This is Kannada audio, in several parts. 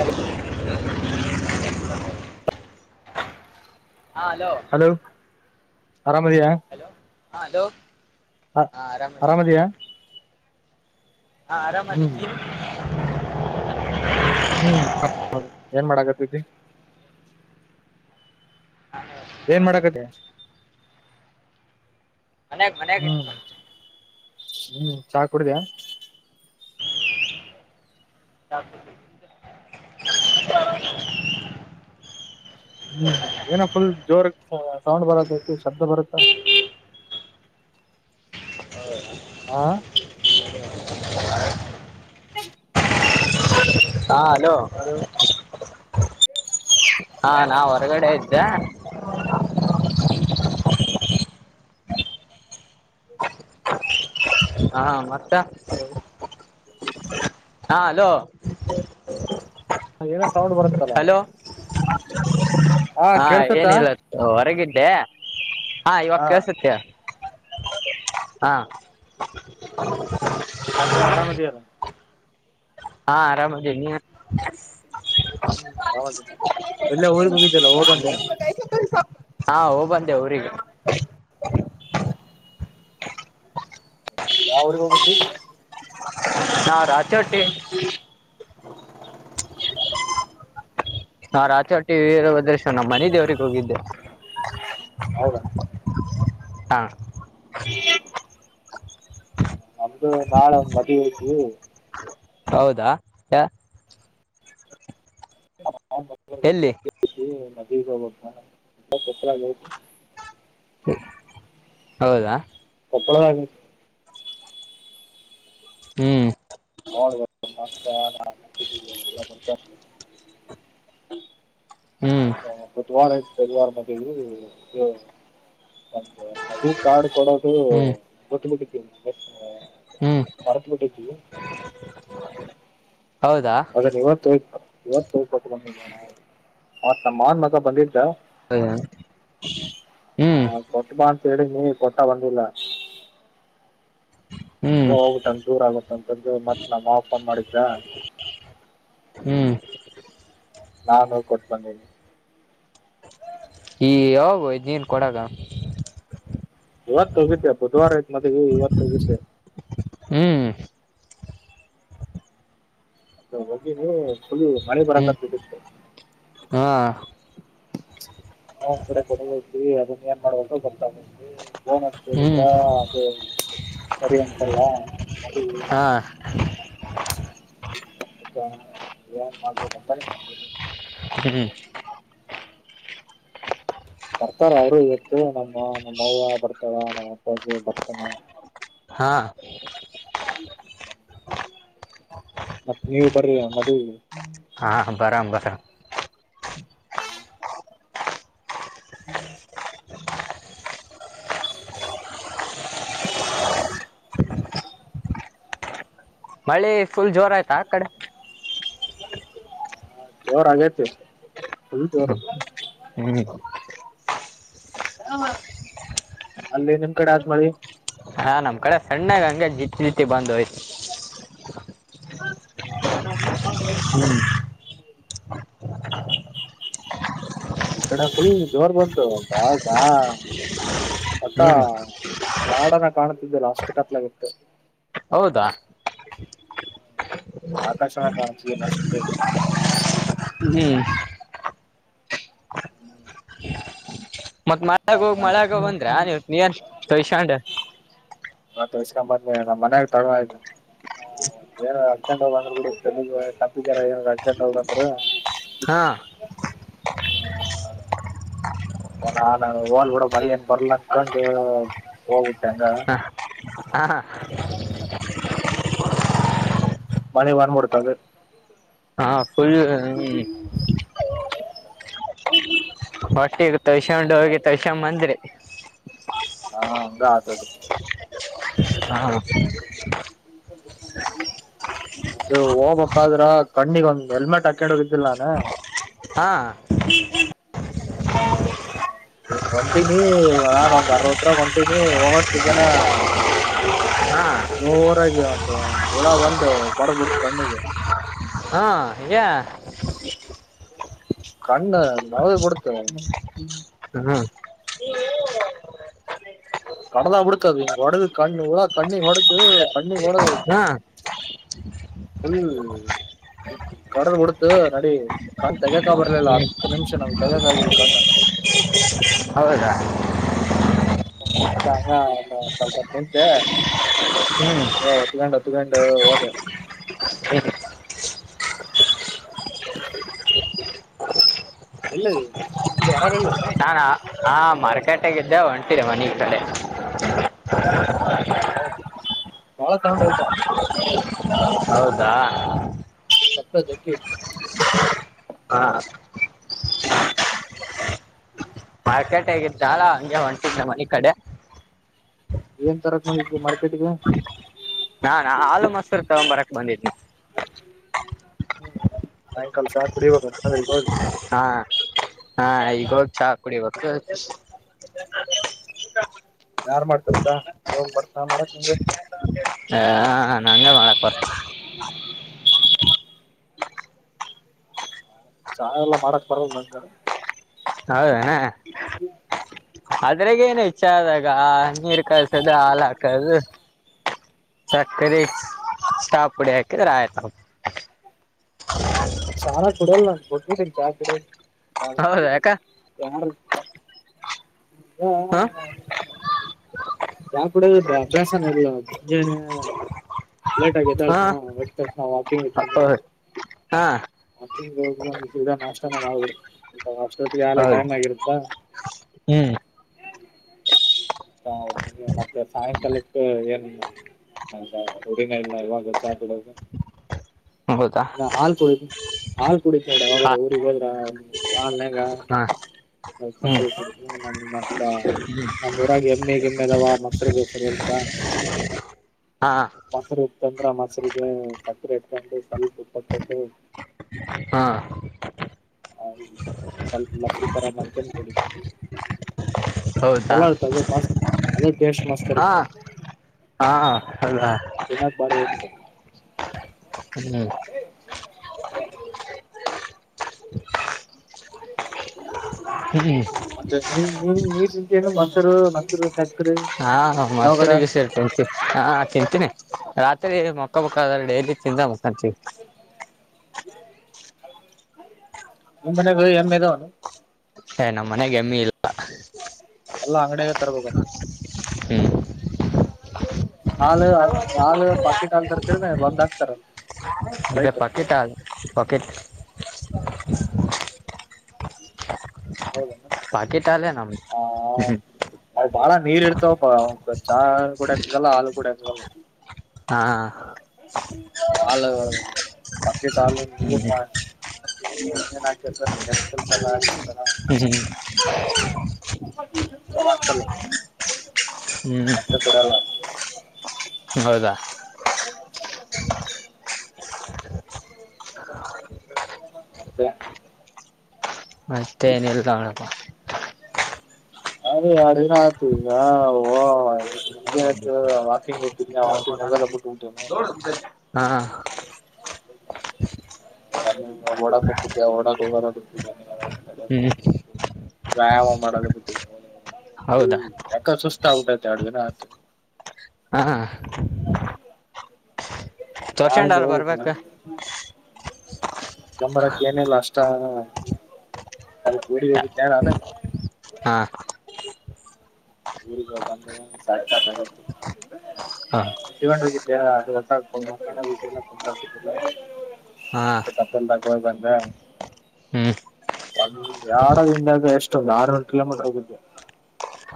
ಅಲ ಹಾ ಹಲೋ ಆರಾಮದಯಾ ಹಲೋ ಹಾ ಹಲೋ ಹಾ ಆರಾಮದಿನಿ ನೀನು ಅರಾಮದಿಯಾ ಹಾ ಆರಾಮದ ಹ್ಮ್ ಏನ್ ಮಾಡಾಗತ್ತಿ ಏನ್ ಮಾಡಾಕದ ಮನಗ್ ಮನ್ಯಾಗ ಹ್ಮ್ ಇತ್ತು ಹ್ಮ್ ಚಾ ಕುಡಿದ್ಯಾ ಚಾ ಹ್ಮ್ ಏನ ಫುಲ್ ಜೋರ್ ಸೌಂಡ್ ಬರದತ್ತು ಶಬ್ದ ಬರುತ್ತಾ ಹೌ ಆ ಹ ಹಾ ಹಲೋ ಹ್ಮ ಹಾ ನಾ ಹೊರಗಡೆ ಆಯ್ತಾ ಹಾ ಮತ್ತ ಹಲೋ ಹಾ ಹಲೋ ಏನ ತೌೊಂಡ್ ಬರುತ್ತಲ್ಲ ಹಲೋ ಹಾ ಏನಿಲ್ಲತ್ತು ಹೊರಗಿದ್ದೆ ಹಾ ಇವಾಗ ಕಳ್ಸುತ್ತೆ ಹಾ ಮತ್ತೆ ಆರಾಮದೆಯಲ್ಲ ಹಾ ಆರಾಮದೇ ನೀ ಹ್ಮ್ ಆರಾಮಿದ್ದ ಎಲ್ಲಾ ಊಗ್ ಹೋಗಿದ್ದಲ್ಲ ಹೋಗ ಬಂದೆ ಹಾ ಹೋಗ್ಬಂದೆ ಅವಊರಿಗೆ ಯಾವ ಊರಿಗೆ ಹೋಗ್ಬೇಕು ರೀ ಯಾವ ಚೌಟ್ರಿ ಯಾವ ಚೌಟ್ರಿ ಅದ್ರಶ ನಮ್ಮ ಮನೆ ದೇವ್ರಿಗೆ ಹೋಗಿದ್ದೆ ಹೌದಾ ಹಾ ನಮ್ದು ನಾಳೆ್ ಮದ ಹೋಗತವಿ ಹೌದಾ ಯ ಕ್ಕ ಹಬ ಪತ್ತರಗೌತ ಹೌದಾ ಕೊಪ್ಪಳದ ಹ್ಮ್ [unintelligible] ಹ್ಮ್ ಬುಧವಾರ ಗುರುವಾರ ಒಂದು ಮದುವೆ ಕಾರ್ಡ್ ಕೊಡೋದು ಹ್ಮ್ ಕೊಟ್ಟಿಬಿಟ್ಟಿ ಹ್ಮ್ ಮರೆತುಬುಟಿದ್ದಿ ಹೌದಾ ಆದ್ರೆ ಇವತ್ತು ಹೋಗಿ ಕೊಟ್ಟಿಬಂದಿದೀನಿ ನೋಡ ಆವ್ತು ನಮ್ಮ ಮಾವನ ಮಗ ಬಂದಿದ್ ಹ ಹ್ಮ್ ಹೇಳೀನಿ ಕೊಟ್ಟಾ ಬಂದಿಲ್ಲ ಅದ ಹ್ಮ್ ಹೋಗುಬಿಟ್ಟು ನನಗೆ ದೂರ ಆಗುತ್ತ ಮತ್ ನಮ್ಮ ಮಾವ ಫೋನ್ ಮಾಡಿದ ಹ್ಮ್ ನಾನು ಹೋಗಿ ಕೊಟ್ಟು ಬಂದಿನಿ ಯಾವಾಗ ಹೋಗಿದೆ ನೀನ್ ಕೊಡಕ್ಕ ಇವತ್ತು ಹೋಗಿದೆ ಬುಧವಾರ ಐತ್ ಮದುವೆ ಇವತ್ತು ಹೋಗಿದೆ ಹ್ಮ್ ಹೋಗಿವಿ ಫುಲ್ ಮಳೆ ಹ್ಮ್ ಬರಕೆಹತುಬಿಟ್ಟಿತಿತ್ತು ಹಾ ಇನ್ನ ಒಂದು ಕಡೆ ಕೊಕೊಡು ಅಯ್ತಿ ಅದನ್ನ ಏನ್ ಮಾಡುಬೇಕು ಗೊತ್ತಾಗಿಲ್ಲರೀ ಫೋನ್ ಹಚ್ಚೋಕೆ ಹೇಳಿದ ಹ್ಮ್ ಅದು ಸರಿ ಅಂತ ಹಾ ಏನ್ ಮಾಡಬೇಕು ಅಂತಾನೆ ಗೊತ್ತಾಗ್ತಿಲ್ಲ ಹ್ಮ್ ಬರ್ತಾರ ಅವರು ಇವತ್ತು ನಮ್ಮ ಮಾವ ಬರ್ತಾವ ನಮ್ಮ ಅಪ್ಪಾಜಿ ಬರ್ತಾನ ಹಾ ಮತ್ತ ನೀವು ಬರ್ರಿ ಮದುವೆಗೆ ಹಾ ಬಾರಮ್ ಬಾರಾಮ್ ಹ್ಮ ಹ್ಮ್ ಮಳೆ ಫುಲ್ ಜೋರ ಆಯ್ತಾ ಆ ಕಡೆ ಜೋರ ಆಗೈತಿ ಫುಲ್ ಜೋರ್ ಹ್ಮ್ ಅಲ್ಲಿ ನಿಮ ಕಡೆ ಅತ್ ಮಳಿ ಹಾ ನಮ್ ಕಡೆ ಸಣ್ಣಾಗ ಹಂಗೆ ಜಿಪ್ ರೀತಿ ಬಂದೋಯ್ತು [unintelligible] ಈ ಕಡೆ ಫುಲ್ ಜೋರ್ ಬಂತು ಬಾಳ್ ಬಾ ಹ್ಮ್ ಬಾಣನ್ನೆ ಕಾಣ್ತಿದ್ದಿಲ್ಲ ಅಷ್ಟ ಕತ್ಲಗಿತ್ತು ಹೌದಾ ಆಕಾಶನೇ ಕಣ್ಣಿತೀರಿಲ್ಲ ಅಷ್ಟು ಹ ಹ್ಮ್ ಮತ್ ಮಳಗ ಹೋಗಿ ಮಳಗ ಬಂದ್ರ ಇವತ್ ನೀನ್ ತಸೊಂಡ ತೋಸ್ಕೊಂಡ್ ಬಂದ್ೇ ನಮ್ಮ ಮನ್ಯಾಗ ತೊಡುವಯ್ತು ಏನ ಅಕೊಂಡು ಹೋಗು ಅಂದ್ರು ತಲೆಗೆ ಏನರಾ ಅರ್ಕೊಂಡ ಹೋಗ್ ಅಂದ್ರು ಹಾ ಆ, ನಾನು ಹೋಗೋಣ ಬಿಡು ಮಳೆ ಏನು ಬರ್ಲಾ ಅನ್ಕೊಂಡ ಹೋಗುಬಿಟ್ಟೆ ಹ ಹಾ ಹಾ ಮಳೆ ಬಂದುಬಿಡ್ತು ಅಲ್ಲಿ ಹಾ ಫುಲ್ ಹ್ಮ್ ಒಟ್ಟಿಗೆ ತಳ್ಸಕೊಂಡು ಹೋಗಿ ತಳ್ಸ ಬಂದ್ರಿ ಹಾ ಹಾಗೆ ಆಯ್ತು ಅದು ಹ [unintelligible] ಇದು ಹೋಗ್ಬೇಕಾದ್ರ ಕಣ್ಣಿಗ ಒಂದ್ ಹೆಲ್ಮೆಟ್ ಹಾಕೊಂಡ ಹೋಗಿದ್ದಿಲ್ಲ ನಾನ ಹಾ ಹಾ ಒಂಟಿನಿ ನಾನ ಒಂದ್ ಅರವತ್ತು ರೂ ಒಂಟಿನಿ ಹೋಗಷ್ಟು ಜನ ಹಾ ನರಾಗಿ ಒಂದು ಹಳ ಬಂದು ಬಡದ ಬಿಿಡ್ದ ಕಣ್ಣಿಗೆ ಹಾ ಯಾ ಕಣ್ಣು ನವುದು ಕೊಡ್ತೇ ಹ್ಮ್ ಕಡಲಾ ಕುಡಕಾದು ಈ್ ಒಡಗ ಕ್ಣು ಇ ಕಣ್ಣಿ ಒಡಕ ಹಾ ಫುಲ್ ಕಡಲ್ ಬಿಡತು ನಡಿ ಕ ತಗಕ ಬರ್ಲಿಲ್ಲ ಹ್ಮ್ ಹತ್ತು ನಿಮಿಷ ನಾವ್ಗೆ ತೆಗೋಕ ಆಗಲ್ ಕಂಡ ಹೌದಾ ಮತ್ತ ಸ್ವಲ್ಪ ನಿಂತೆ ಹ್ಮ್ ಒತ್ಕೊಂಡ ಇ ಕೊಂಡ ಹದೇ ಎಲ್ಲದದು ಹೊಹಗಳಿಗೆಲ್ಲ ಹಾ ಮಾರ್ಕೆಟ್ಟೆಗ ಇದ್ದ ಹೊಂಟೀರಿ ಮನ ಕಡೆ [unintelligible] ಬಾಳ ಸೌಂಡ್ ಆಯ್ತಪ್ಪ ಹ ಹೌದಾ ಸಕ್ಕೆ ಹಾ ಮಾರ್ಕೆಟ್ ಹೇಗಿದ್ ಜಾಲ ಹಂಗೆ ಹೊಂಟಿದ್ ನ ಮನ ಕಡೆ ಏನ್ ತರಕ್ ಮಾಡಿದವಿ ಮಾರ್ಕೆಟ್ಗ ನಾಾನಾ ಆಲ ಮಸ್ೂರ್ ತಗೊಂಬರಕ್ ಬಂದಿದ್ನಿ ಹ್ಮ್ ಸಾಯಂಕಾಲ ಸಾ ಕುಡಿಬೇಕ ಮಾದ್ರಿಗೆ ಹೋದಿ ಹಾ ಹಾ ಈಗ ಹೋಗ್ ಚಾ ಕುಡಿಬೇಕ ಯಾರ್ ಮಾಡ್ತಾರದಾ ನೀ ಬರ್ಸಾ ಮಾಡಕ್ ನಿಂಗ ಹ ನಂ ಮಾಡಕ್ ಬರ್ತ ಚಾ ಎಲ್ಲಾ ಮಾಡಕ್ ಬರಲ್ಲ ನನಗ ಹೌದ ಏನ ಅದ್ರಗ ಏನ್ ಐತಿ ಚಹಾದಾಗ ಆದಾಗ ನೀರ್ ಕಾಸದು ಹಾಲ್ ಹಾಕದು ಸಕ್ಕರೆ ಚಾ ಪುಡಿ ಹಾಕಿದ್ರೆ ಆಯ್ತು ಚಾ ನಾ ಕುಡಲ್ಲ ನಾನು ಬುಟ್ ಬುಟ್ಟಿದ್ದೀನಿ ಚಾ ಕಡ ಹೌದ ಯಾಕ ಚ ಹ ಚಾ ಕೂಡ ಅಭ್ಯಾಸನೇ ಇಲ್ಲ ನನಗ ಮುಂಜಾನೆ ಲೇಟ್ ಹಾ ಎದ್ದೇಳ್ತೀನಿ ನ ವಾಕಿಂಗ್ ಇದ್ದೀನಿ ಹೌದು ಹಾ ಹೋಗಗ ನಾಷ್ಟಾನ ಮಾಡ್ಬಿಡ್ ಅಷ್ಟೊತ್ಗೇ ಆಗಲೇ ಹೌದು ಟೈಮ್ ಆಗಿರುತ್ತಾ ಹ್ಮ್ ಹಾತ ಮತ್ತೆ ಸಾಯಂಕಾಲಕ್ಕ ಏನ್ ಹ ರೂಢಿನಿ ಇಲ್ಲ ಇವಾಗ ಚಾ ಕುಡಿದು ಹೌದಾ ನಾ ಹಾಲ್ ಕುಡಿತೀನಿ ಹಾಲು ಕುಡಿತಿ ನೋಡು ಹಾ ಯಾವಾಗರ ಊರಿಗೆ ಹೋದರೆ ಹಾಲಿನ ಹಾ ಹ್ಮ್ ಸಕ್ರೆ ಕುಡಿತಿನಿ ಇಲ್ಲ ಅಂದ್ರೆ ಮತ್ತ ಊರಾಗ ಎಮ್ಮಿ ಗಿಮ್ಮಿ ಅದಾವ ಮೊಸರಿಗೀಸರ್ ಇರ್ತದ ಹಾ ತಂದ್ರ ಮಸರಿಗೆ ಸಕ್ರಿ ಎಟ್ಟೆಂಟು ಸಲಪ ಇಪ್ಪತ್ತೆಂಟಡು ಹಾ ಹೌದು ಸ್ವಲ್ಪ ಲಸ್ಸಿ ತರ ಮಾಡ್ಕೊಂಡು ಕುಡಿತಿನಿ ಹೌದಾ ಚಲಾ ಅ ಮಸ್ತ್ ಅೇ ಟ ಮಸ್ತ್ ಹಾ ಹಾ ಅಲ್ಲ ಇನ ಬಾರ ಹ್ಮ್ ಹ್ಮ್ಮ ಮತ್ತೆ ನಿ ನಿ ನೀರ್ ಸಂತ ಏನು ಮೊಸರು ಮೊಸರು ಸಕ್ಕರೆ ಹಾ ಹ ಯಾವಾಗಾರ ಮಸೂರಿ ವಿ ಸೇ ಚಂತ ಹಾ ತಿಂತೀನಿ ರಾತ್ರಿ ಮಕ್ಕ ಬೇಕಾದ್ರ ಡೈಲಿ ತಿಂದ ಮಕ್ಕೊಂತೀನಿ ನಮ್ಮ ಮನೆ ಎಮ್ಮೆ ಅದಾವ ಹ ನಮ್ಮ್ ಮನೆಗೆ ಎಮ್ಮಿ ಇಲ್ಲ ಎಲ್ಲಾ ಅಂಗಡಿಯಾಗ ತರ್ಬೇಕಾನ ಹ್ಮ್ ಹಾಲ್ ನಾಲ್ ಪಕ್ಕಿಟ್ ಹಾಲ್ ತರ್ತರ ಬಂದ್ ಆಕ್ತಾರ ಪಕೆಟ್ ಹಾಲು ಪಕೆಟ್ ಹಾ ಪಾಕಿಟಾಲೆ ನಮ್ಮದು ಅವು ಬಾಳ ನೀರ್ ಇರ್ತಾವಪ್ಪ ಚಾ ಕೂಡ ಎಕಗಲ್ಲ ಹಾಲು ಕೂಡಲ್ಲ ಹಾ ಹಾ ಅಲ ನೀ ಹ್ಮ್ ಏನ್ ಕೆಿಕಲ್ ಎಲ್ಲ ಹಾಕಿರ್ತಾರ ಹ್ಮ ಚಲೋ ಅನ್ಸಲ್ಲ ಮತ್ತೆ ಕೊಡಲ್ಲ ಹ್ಮ್ ಹೌದಾ ಮತ್ತೆ ಮತ್ತೆ ಏನಲ್ದು ಅದೇ ಎರಡು ದಿನ ಆಯತು ಇಲ್ಲ ಸಂಜೆ ಆತ ವಾಕಿಂಗ್ ಟ್ಟ ಕ ವತೋಗದಪ್ಪು ಟೂಟೆ ಹಾ ಓಡಾ ಹೋಗ್ತಿದ್ದ ಓಡ ಹೋಗ ಹೋಗತೋಗ ಹ್ಮ್ ವ್ಯಾಯಾಮ ಮಾಡೋಲ್ಲ ಬಿಟ್ಟ ಹೌದಾ ತ ಹಬತೆ ಅಡ್ದಿನ ಆತ ಹಾ ನಾಳಿಂದ ತೋರ್ಸೊಂಡಲ್ಲ ಹೋಗಕ್ಕೆಿಲ್ಲ ಬರ್ಬೇಕ ಸಂಂಬರಕ್ಕೆ ಏನಿಲ್ಲ ಅಷ್ಟ ಅದ ಕೂಡಿ ಹೋಗಿದ್ದ ನಾನು ಹಾ ಊರಿ ಜಪ ಅಂದ್ರ ಸಾ ಸಾತ ಹಾ ಕ ಯ್ ಹಾ ಬಂದ ಹ್ಮ್ ಒ ಎಡದಿಂದಾಗ ಎಷ್ಟೊಂದು ಆರ್ನೂರು ಕಿಲೋಮೀಟರ್ ಹೋಗಿದ್ದೆ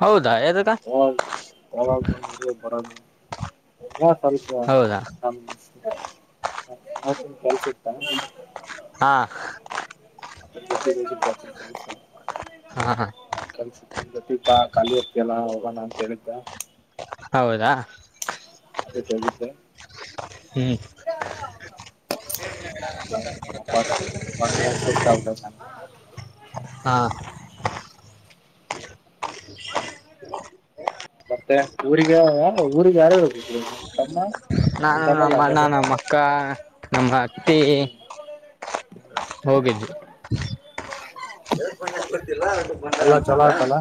ಹೌದಾ ಯ್ದಾಗ ಬರ ಎಲ್ಲ ಕ ಹೌದಾ ಕೆಲ್ಸ ಇತ್ತ ಹಾ [inaudible] ಹ್ಮ ಹಾ ಗ ದೀಪಾ ಖಾಲಿ ಅತ್ತಲ್ಲ ಹೋಗೋಣ ಅಂತ ಹೇಳಿದ್ದ ಹೌದಾ ಅದೇ ಕೊಲಿಕ್ಕೆ ಹ್ಮ್ ಬ ಸಸ್ತಟ ಹಾ ಮತ್ತೆ ಊರಿಗೆ ಯಾರ ಊರಿಗೆ ಯಾರು ಹ ತಮ್ಮ ನಿಮ್ ನಾನು ತಮ್ಮಲ್ಲ ನಮ್ಮ ಅಣ್ಣ ನೆನ್ನೆ. ನಮ್ಮ ಅಕ್ಕ ನಮ್ಮ ಅತ್ತಿ ಹೋಗಿದ್ದಿ [inaudible] ಎಲ್ಲಾ ಚಲೋ ಆತಲ್ಲ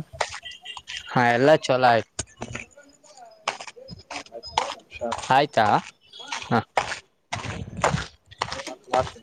ಹಾ ಎಲ್ಲಾ ಚಲೋ ಆಯ್ತು ಅ ಆಯ್ತಾ ಹಾ ಮಾಡತ